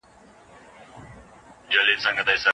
دولت بايد د خلکو د حقوقو ساتنه وکړي.